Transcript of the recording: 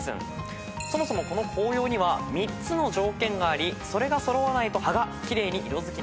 そもそもこの紅葉には３つの条件がありそれが揃わないと葉が奇麗に色づきません。